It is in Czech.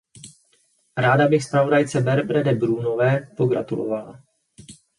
Ráda bych zpravodajce Bairbre de Brúnové pogratulovala.